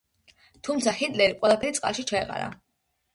თუმცა ჰიტლერი ყველაფერი წყალში ჩაეყარა.